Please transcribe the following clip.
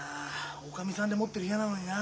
おかみさんでもってる部屋なのにな。